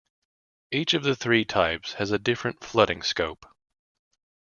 Each of the three types has a different flooding scope.